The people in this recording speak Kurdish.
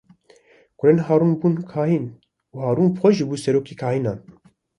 Kurên Harûn bûn kahîn û Harûn bi xwe bû serokê kahînan.